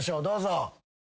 どうぞ。